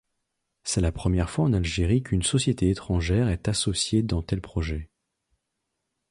C'est la première fois en Algérie qu'une société étrangère est associée dans tel projet.